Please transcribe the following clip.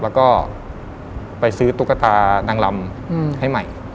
แล้วก็ไปซื้อตุ๊กตานางลำให้ใหม่